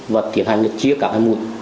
và tiến hành chia cả hai mụn